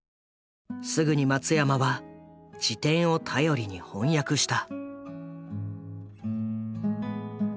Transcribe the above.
すぐに松山は辞典を頼りに翻訳した。